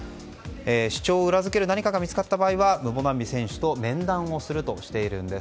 主張を裏付ける何かが見つかった場合はムボナンビ選手と面談をするとしているんです。